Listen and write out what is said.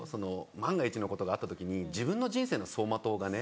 万が一のことがあった時に自分の人生の走馬灯がね